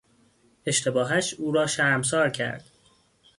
اشتباهش او را شرمسار کرد.